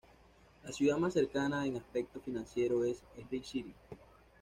La ciudad más cercana, en aspecto financiero es Sri City.